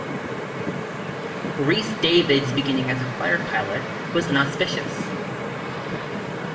Rhys-Davids' beginning as a fighter pilot was inauspicious.